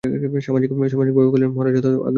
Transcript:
সামাজিকেরা কহিলেন, মহারাজ যথার্থ আজ্ঞা করিতেছেন।